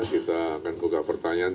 kita akan kukak pertanyaan